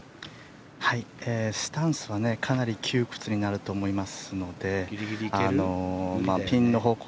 スタンスはかなり窮屈になると思いますのでピンの方向